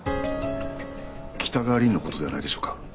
北川凛の事ではないでしょうか？